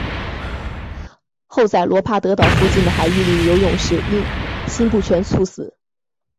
后在卢帕德岛附近的海域里游泳时因心不全猝死。